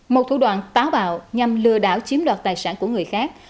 một thủ đoạn táo bạo nhằm lừa đảo chiếm đoạt tài sản của người khác